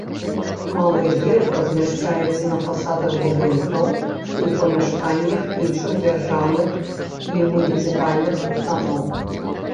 Малы герб размяшчаецца на фасадах будынкаў і ў памяшканнях іншых дзяржаўных і муніцыпальных устаноў.